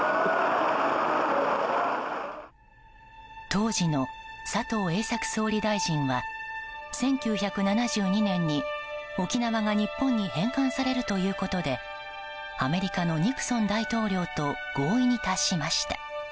当時の佐藤栄作総理大臣は１９７２年に沖縄が日本に返還されるということでアメリカのニクソン大統領と合意に達しました。